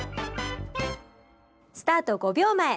スタート５秒前。